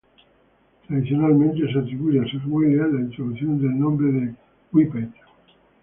Tradicionalmente, se atribuye a sir William la introducción del nombre de "Whippet".